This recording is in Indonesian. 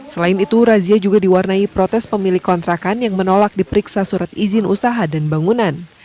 selain itu razia juga diwarnai protes pemilik kontrakan yang menolak diperiksa surat izin usaha dan bangunan